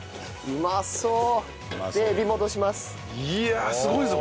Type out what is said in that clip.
うまそう！